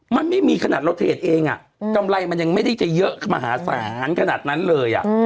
มันไม่มีขนาดเราเทรดเองกำไรมันยังไม่ได้จะเยอะมหาศาลขนาดนั้นเลย